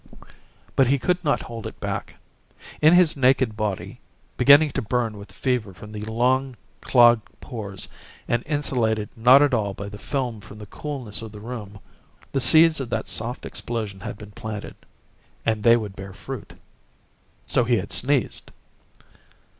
But he could not hold it back. In his naked body, beginning to burn with fever from the long clogged pores and insulated not at all by the film from the coolness of the room, the seeds of that soft explosion had been planted and they would bear fruit! So he had sneezed!